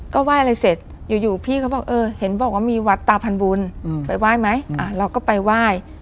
ก็ไหว้อะไรเสร็จอยู่พี่เขาบอกเออเห็นบอกว่ามีวัดตาพันบุญไปไหว้ไหมเราก็ไปไหว้